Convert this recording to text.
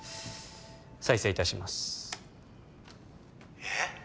再生いたしますえっ！？